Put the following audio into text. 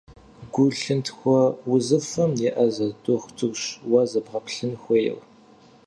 Гу-лъынтхуэ узыфэхэм еӏэзэ дохутырщ уэ зэбгъэплъын хуейр.